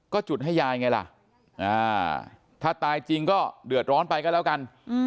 ก็จุดให้ยายไงล่ะถ้าตายจริงก็เดือดร้อนไปก็แล้วกัน